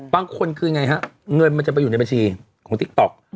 บางคนคือไงฮะเงินมันจะไปอยู่ในบัญชีของติ๊กต๊อก